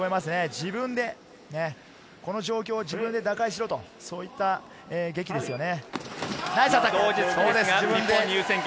自分でこの状況を自分で打開しろと、そういった檄ですね。